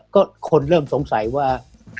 ก็คนเริ่มสงสัยว่า